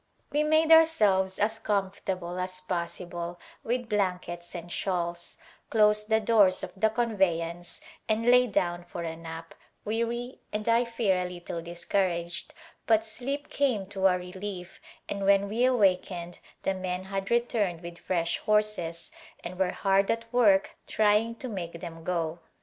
We made ourselves as comfortable as possible with blankets and shawls, closed the doors of the convey ance and lay down for a nap, weary and I fear a little discouraged, but sleep came to our relief and when we awakened the men had returned with fresh horses and were hard at work trying to make them go.